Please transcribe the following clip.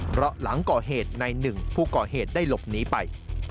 เพราะหลังก่อเหตุในหนึ่งผู้ก่อเหตุได้หลบหนีไป